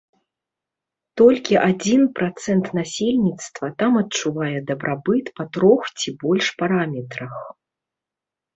Толькі адзін працэнт насельніцтва там адчувае дабрабыт па трох ці больш параметрах.